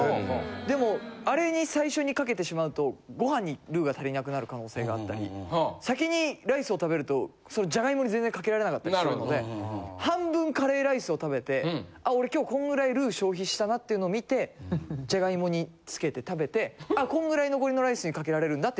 でもあれに最初にかけてしまうとご飯にルーが足りなくなる可能性があったり先にライスを食べるとジャガイモに全然かけられなかったりするので半分カレーライスを食べて「あ俺今日こんぐらいルー消費したな」っていうのを見てジャガイモに付けて食べて「あこんぐらい残りのライスにかけられるな」って言って。